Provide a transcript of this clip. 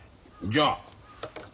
じゃあ。